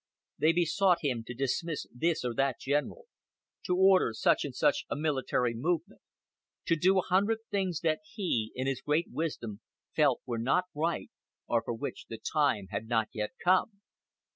They besought him to dismiss this or that General, to order such and such a military movement; to do a hundred things that he, in his great wisdom, felt were not right, or for which the time had not yet come.